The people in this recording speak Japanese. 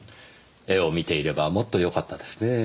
絵を見ていればもっとよかったですねえ。